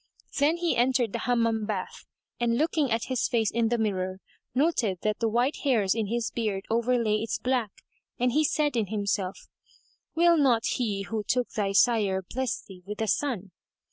Then he entered the Hammam bath and looking at his face in the mirror, noted that the white hairs in his beard overlay its black, and he said in himself, "Will not He who took thy sire bless thee with a son?"